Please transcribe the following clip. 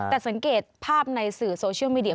แต่สังเกตภาพในสื่อโซเชียลมีเดีย